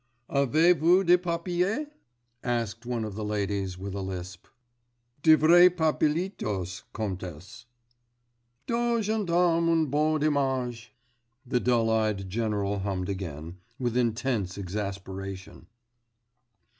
'Avez vous des papiros?' asked one of the ladies, with a lisp. 'De vrais papelitos, comtesse.' 'Deux gendarmes un beau dimanche,' the dull eyed general hummed again, with intense exasperation.